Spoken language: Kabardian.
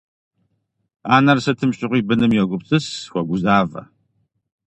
Анэр сытым щыгъуи быным йогупсыс, хуогузавэ.